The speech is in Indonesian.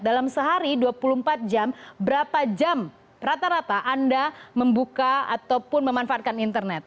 dalam sehari dua puluh empat jam berapa jam rata rata anda membuka ataupun memanfaatkan internet